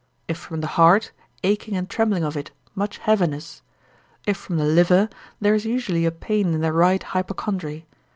If from the heart, aching and trembling of it, much heaviness. If from the liver, there is usually a pain in the right hypochondry.